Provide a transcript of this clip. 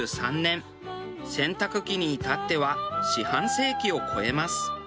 洗濯機に至っては四半世紀を超えます。